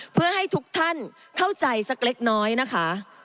เพื่อให้ทุกท่านเข้าใจสักเล็กน้อยนะคะ